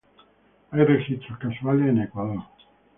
Hay registros casuales en Ecuador.